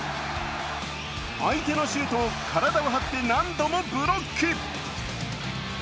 相手のシュートを体を張って何度もブロック。